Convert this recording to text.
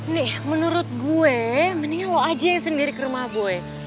nih menurut gue mendingan lo aja sendiri ke rumah gue